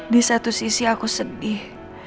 di satu sisi aku sedih